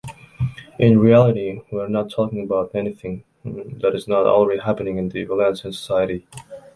In reality, we are not talking about anything that is not already happening in the Valencian society.